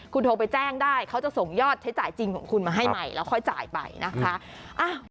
คุณโทรไปแจ้งได้เขาจะส่งยอดใช้จ่ายจริงของคุณมาให้ใหม่แล้วค่อยจ่ายไปนะคะ